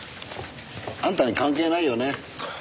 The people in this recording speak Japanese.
あんたに関係ないよね？